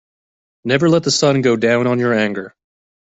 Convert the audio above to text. Never let the sun go down on your anger.